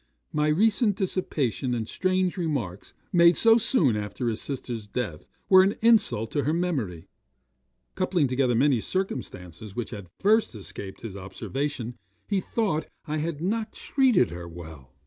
My recent dissipation, and strange remarks, made so soon after his sister's death, were an insult to her memory. Coupling together many circumstances which had at first escaped his observation, he thought I had not treated her well.